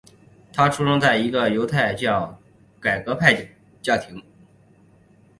他出生在一个犹太教改革派家庭。